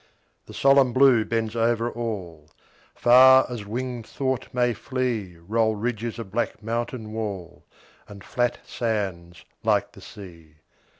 The solemn Blue bends over all; Far as winged thought may flee Roll ridges of black mountain wall, And flat sands like the sea.